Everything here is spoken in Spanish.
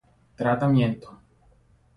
Tratamiento